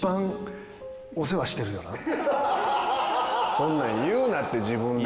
そんなん言うなって自分で。